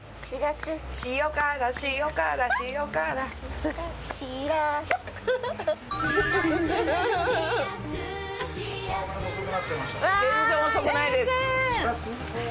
全然遅くないです。